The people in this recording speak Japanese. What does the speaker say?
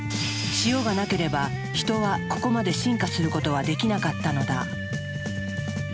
塩がなければヒトはここまで進化することはできなかったのだ。